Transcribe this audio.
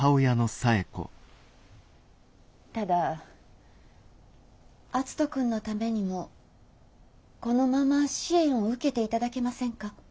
ただ篤人君のためにもこのまま支援を受けていただけませんか？